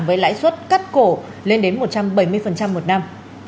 với lãi suất cắt cổ lên đến một trăm bảy mươi một năm